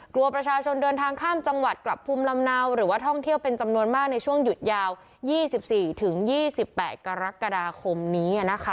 กลัวประชาชนเดินทางข้ามจังหวัดกลับภูมิลำเนาหรือว่าท่องเที่ยวเป็นจำนวนมากในช่วงหยุดยาว๒๔๒๘กรกฎาคมนี้